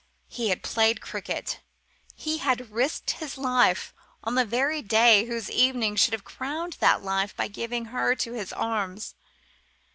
He had played cricket. He had risked his life on the very day whose evening should have crowned that life by giving her to his arms.